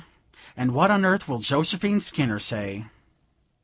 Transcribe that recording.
and what on earth will Josephine Skinner say?"